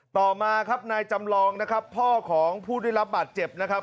ต่อมาครับนายจำลองนะครับพ่อของผู้ได้รับบาดเจ็บนะครับ